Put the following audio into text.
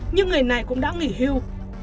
nhưng người này cũng đã nghỉ hưu